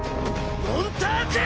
モンターク！